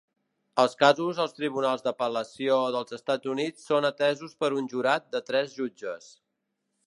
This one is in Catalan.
Els casos als tribunals d'apel·lació dels Estats Units són atesos per un jurat de tres jutges.